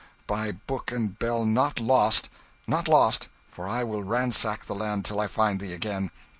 by book and bell, not lost! Not lost, for I will ransack the land till I find thee again.